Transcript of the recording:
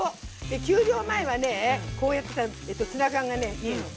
で給料前はねこうやってさツナ缶がねいいの。